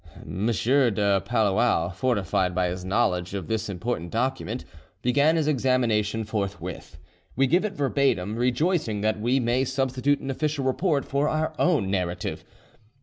M. de Palluau, fortified by his knowledge of this important document, began his examination forthwith. We give it verbatim, rejoicing that we may substitute an official report for our own narrative.